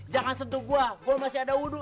jangan sentuh gua gua masih ada wudhu